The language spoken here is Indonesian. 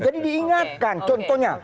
jadi diingatkan contohnya